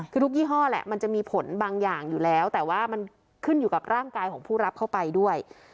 คือทุกยี่ห้อแหละมันจะมีผลบางอย่างอยู่แล้วแต่ว่ามันขึ้นอยู่กับร่างกายของผู้รับเข้าไปด้วย